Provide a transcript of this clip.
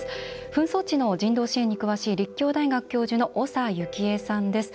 紛争地の人道支援に詳しい立教大学教授の長有紀枝さんです。